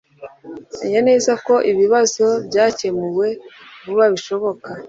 menya neza ko ibibazo byakemuwe vuba bishoboka